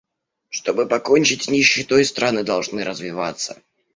Чтобы покончить с нищетой, страны должны развиваться.